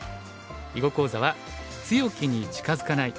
囲碁講座は「強きに近づかない」。